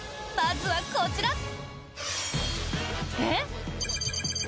まずはこちら。